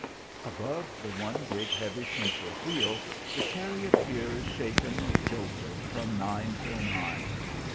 Above the one big, heavy central wheel the charioteer is shaken and jolted from nine till nine.